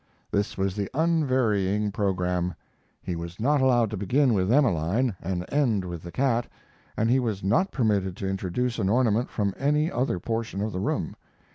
This was the unvarying program. He was not allowed to begin with "Emeline" and end with the cat, and he was not permitted to introduce an ornament from any other portion of the room.